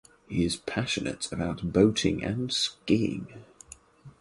He is passionate about boating and skiing.